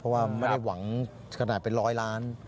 เพราะว่าไม่ได้หวังขนาดเป็นร้อยล้าน